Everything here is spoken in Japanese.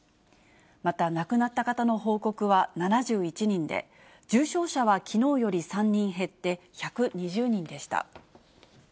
また亡くなった方の報告は７１人で、重症者はきのうより３人減って１２０人でした。